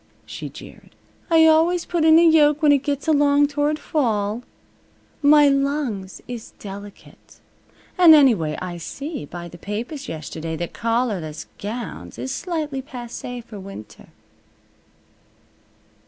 she jeered. "I always put in a yoke when it gets along toward fall. My lungs is delicate. And anyway, I see by the papers yesterday that collarless gowns is slightly passay f'r winter."